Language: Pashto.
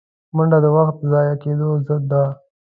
منډه د وخت ضایع کېدو ضد ده